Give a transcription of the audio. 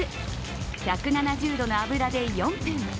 １７０度の油で４分。